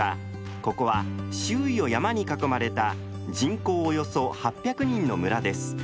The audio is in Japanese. ここは周囲を山に囲まれた人口およそ８００人の村です。